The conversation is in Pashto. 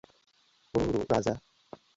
ورو ورو راځه